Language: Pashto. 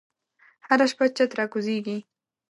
هره شپه چت راکوزیږې